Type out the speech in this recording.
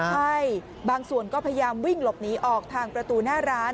ใช่บางส่วนก็พยายามวิ่งหลบหนีออกทางประตูหน้าร้าน